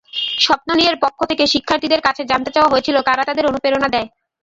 স্বপ্ন নিয়ের পক্ষ থেকে শিক্ষার্থীদের কাছে জানতে চাওয়া হয়েছিল, কারা তাঁদের অনুপ্রেরণা দেন।